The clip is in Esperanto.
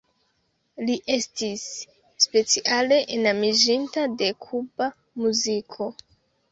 Li estis speciale enamiĝinta de Kuba muziko.